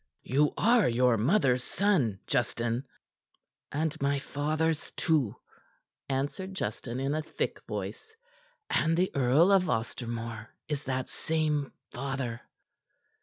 You are your mother's son, Justin." "And my father's, too," answered Justin in a thick voice; "and the Earl of Ostermore is that same father."